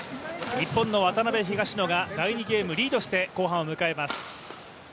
日本の渡辺・東野が第２ゲーム、リードして後半を迎えます。